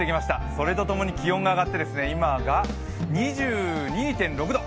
それとともに気温が上がって、今が２２．６度。